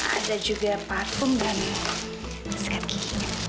ada juga parfum dan skat kiri